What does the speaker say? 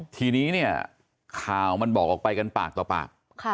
ทีนี้เนี่ยข่าวมันบอกออกไปกันปากต่อปาก